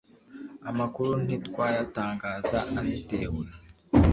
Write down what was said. amakuru ntitwayatangaza atizewe